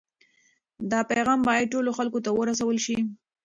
دا پیغام باید ټولو خلکو ته ورسول شي.